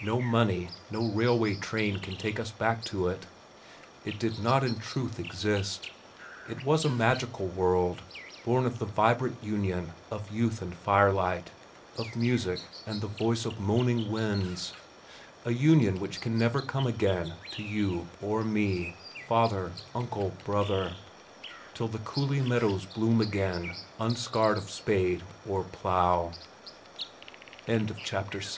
No money, no railway train can take us back to it. It did not in truth exist it was a magical world, born of the vibrant union of youth and firelight, of music and the voice of moaning winds a union which can never come again to you or me, father, uncle, brother, till the coulee meadows bloom again unscarred of spade or plow. CHAPTER VII Winneshe